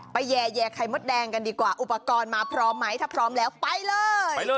แย่ไข่มดแดงกันดีกว่าอุปกรณ์มาพร้อมไหมถ้าพร้อมแล้วไปเลย